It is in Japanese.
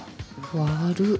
悪っ。